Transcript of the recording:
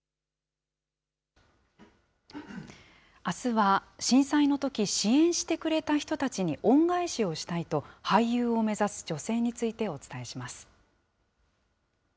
あすは、震災のとき支援してくれた人たちに恩返しをしたいと、俳優を目指す女性についてお伝えします。